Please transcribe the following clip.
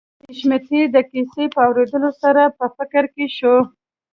حشمتي د کيسې په اورېدو سره په فکر کې شو